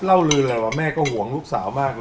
เล่าลื้อนานว่าแม่ก็หวงลูกสาวมาก